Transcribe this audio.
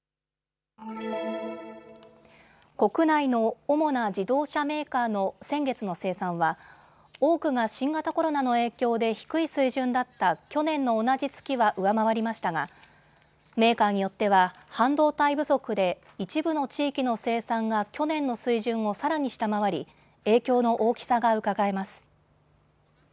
国内の主な自動車メーカーの先月の生産は多くが新型コロナの影響で低い水準だった去年の同じ月は上回りましたが、メーカーによっては半導体不足で一部の地域の生産が去年の水準をさらに下回り影響の大きさがうかがえます。